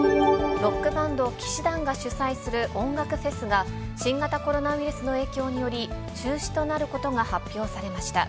ロックバンド、氣志團が主催する音楽フェスが、新型コロナウイルスの影響により、中止となることが発表されました。